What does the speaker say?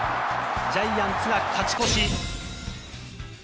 ジャイアンツが勝ち越し。